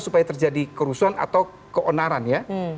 supaya terjadi kerusuhan atau keonaran ya